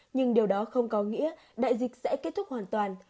nhưng điều đó không có nghĩa đại dịch sẽ kết thúc hoàn toàn